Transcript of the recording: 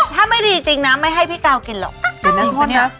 ถ้าไม่ดีจริงนะไม่ให้พี่กาวกินหรอก